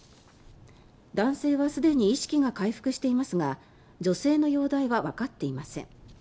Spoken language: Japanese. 男性はすでに意識が回復していますが女性の容体はわかっていません。